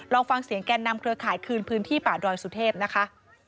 ลองฟังเสียงแก่นนำเครือข่ายคืนพื้นที่ป่าดอยสุเทพนะคะ